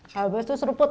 habis itu seruput